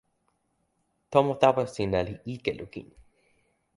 tomo tawa sina li ike lukin.